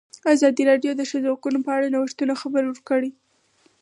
ازادي راډیو د د ښځو حقونه په اړه د نوښتونو خبر ورکړی.